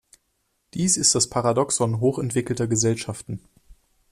Dies ist das Paradoxon hoch entwickelter Gesellschaften.